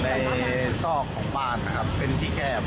รีบมาเลยนะใช่ครับ